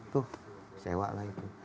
tuh sewa lah itu